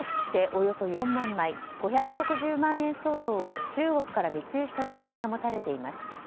およそ４万枚５６０万円相当を中国から密輸した疑いが持たれています。